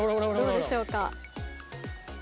どうでしょうか。